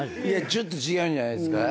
ちょっと違うんじゃないっすか？